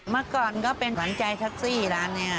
เมื่อก่อนก็เป็นขวัญใจแท็กซี่ร้านนี้